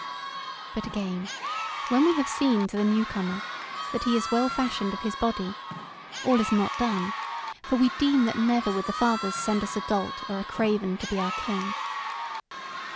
But again, when we have seen to the new comer that he is well fashioned of his body, all is not done; for we deem that never would the Fathers send us a dolt or a craven to be our king.